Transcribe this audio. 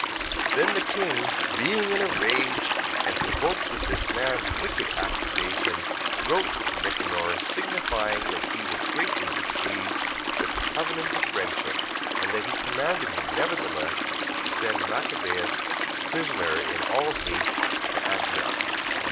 14:27. Then the king, being in a rage, and provoked with this man's wicked accusation, wrote to Nicanor, signifying that he was greatly displeased with the covenant of friendship: and that he commanded him nevertheless to send Machabeus prisoner in all haste to Antioch.